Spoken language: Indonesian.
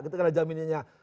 ketika ada jaminannya